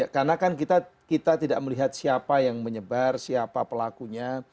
karena kan kita tidak melihat siapa yang menyebar siapa pelakunya